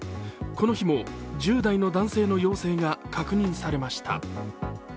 この日も、１０代の男性の陽性が確認されました。